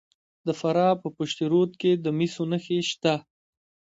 د فراه په پشت رود کې د مسو نښې شته.